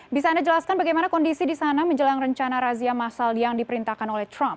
bisa anda jelaskan bagaimana kondisi di sana menjelang rencana razia masal yang diperintahkan oleh trump